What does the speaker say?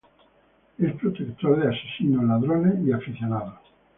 Es protector de asesinos, ladrones y aficionados.